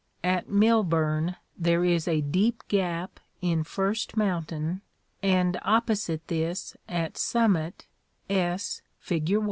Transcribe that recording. At Milburn, there is a deep gap in First moun tain, and opposite this at Summit (S, fig.